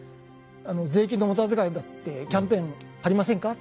あの税金の無駄遣いだってキャンペーン張りませんか？